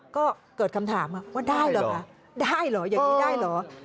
ก็เกิดคำถามว่าได้เหรอคะได้เหรออย่างนี้ได้เหรอ